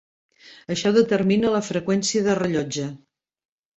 Això determina la freqüència de rellotge.